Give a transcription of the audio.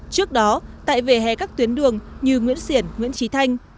trước đó tại vỉa hè các tuyến đường như nguyễn xiển nguyễn trí thanh